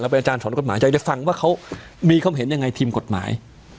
ว่ามีเข้าเห็นอย่างยังไงทีมกฎหมาย